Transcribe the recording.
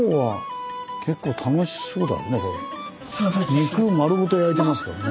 肉丸ごと焼いてますからね。